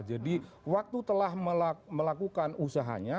jadi waktu telah melakukan usahanya